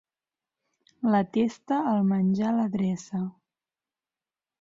La testa, el menjar l'adreça.